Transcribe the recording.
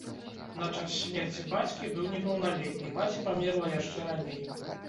На час смерці бацькі быў непаўналетні, маці памерла яшчэ раней.